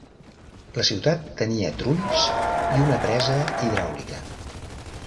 La ciutat tenia trulls i una presa hidràulica.